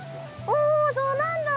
おそうなんだ。